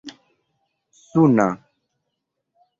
suna